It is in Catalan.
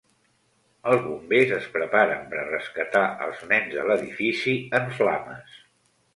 Els bombers es preparen per a rescatar als nens de l'edifici en flames.